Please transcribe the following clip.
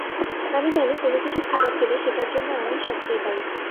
আমি জানি কোনো কিছু খারাপ গেলে সেটার জন্য আমিই সবচেয়ে বেশি দায়ী।